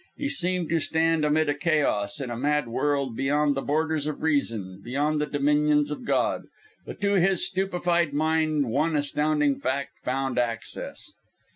He seemed to stand amid a chaos, in a mad world beyond the borders of reason, beyond the dominions of God. But to his stupefied mind one astounding fact found access.